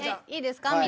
いいですか？